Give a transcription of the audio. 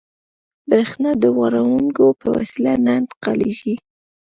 برېښنا د وړانګو په وسیله نه انتقالېږي.